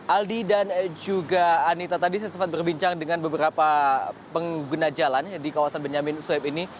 aldi dan juga anita tadi saya sempat berbincang dengan beberapa pengguna jalan di kawasan benyamin sueb ini